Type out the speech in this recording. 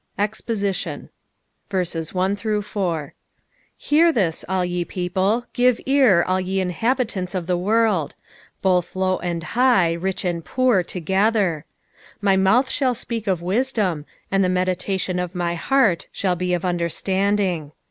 EXPOSITION, HEAR this, all ye people ; give ear, all ye inhabitants of the world : 2 Both low and high, rich and poor, together. 3 My mouth shall speak of wisdom ; and the meditation of my heart shall be of understanding.